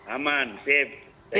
aman thank you